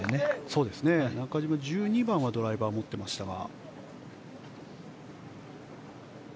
そうですね、中島は１２番ドライバーを持っていましたが。